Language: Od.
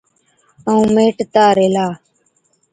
ائُون مهٽتا ريهلا۔